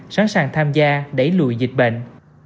sẵn sàng tham gia đẩy lùi dịch bệnh